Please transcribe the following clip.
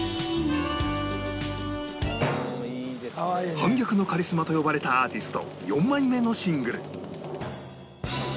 「反逆のカリスマ」と呼ばれたアーティスト４枚目のシングル